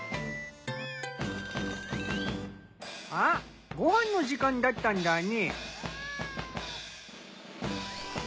あっごはんの時間だったんだね。